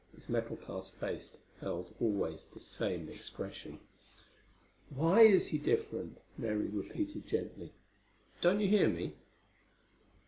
Its metal cast face held always the same expression. "Why is he different?" Mary repeated gently. "Don't you hear me?"